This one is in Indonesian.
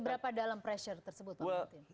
seberapa dalam pressure tersebut pak martin